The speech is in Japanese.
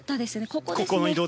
ここですね。